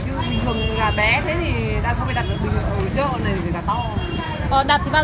chiều gọi điện mai có rồi đúng không